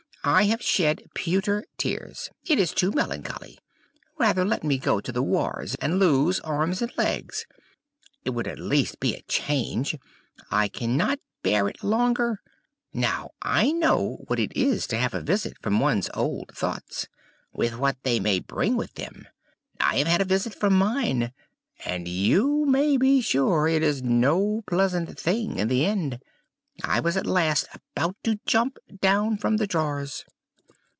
"I have shed pewter tears! It is too melancholy! Rather let me go to the wars and lose arms and legs! It would at least be a change. I cannot bear it longer! Now, I know what it is to have a visit from one's old thoughts, with what they may bring with them! I have had a visit from mine, and you may be sure it is no pleasant thing in the end; I was at last about to jump down from the drawers.